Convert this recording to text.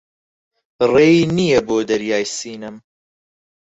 ڕێی نییە بۆ دەریای سینەم